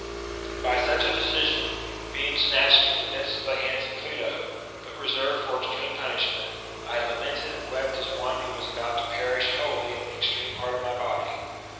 By such a decision, being snatched from the midst of the hands of Pluto, but reserved for extreme punishment, I lamented and wept as one who was about to perish wholly in*the extreme part of my body.